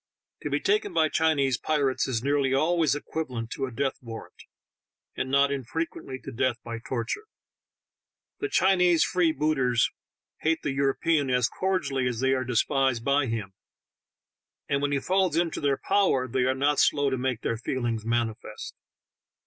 To be taken by Chinese pirates is nearly always equiva lent to a death warrant, and not infrequently to death by torture. The Chinese free booters hate the European as eordially as they are despised by him, and when he falls into their power they arenot slow to make their feelings manifest.